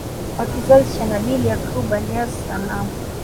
wa kizazi cha Nabii Yaquub Alayhis Salaam